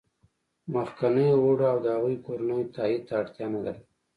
مخکینیو غړو او د هغوی کورنیو تایید ته اړتیا نه لرله